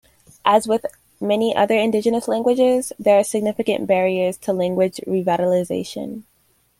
As with many other Indigenous languages, there are significant barriers to language revitalization.